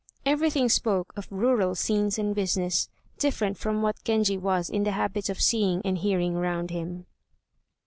Everything spoke of rural scenes and business, different from what Genji was in the habit of seeing and hearing round him.